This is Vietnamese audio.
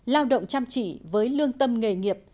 lao động chăm chỉ với lương tâm nghề nghiệp